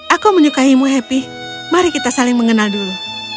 aku menyukaimu happy mari kita saling mengenal dulu